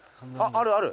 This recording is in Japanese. あるある。